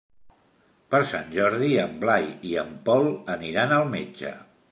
Per Sant Jordi en Blai i en Pol aniran al metge.